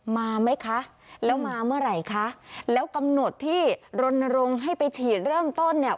มาไหมคะแล้วมาเมื่อไหร่คะแล้วกำหนดที่รณรงค์ให้ไปฉีดเริ่มต้นเนี่ย